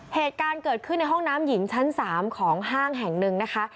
เหตุการณ์เกิดขึ้นในห้องน้ำหญิงชั้น๓ของห้างแห่งหนึ่งนะคะ